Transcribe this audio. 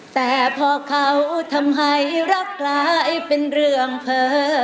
แต่พอเขาทำให้รักกลายเป็นเรื่องเธอ